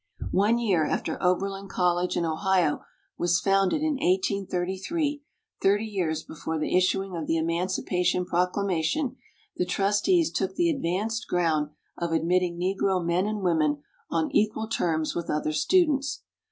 One year after Oberlin College in Ohio was founded in 1833, thirty years before the issuing of the Emancipation Proclamation, the trustees took the advanced ground of admitting Negro men and women on equal terms with other students.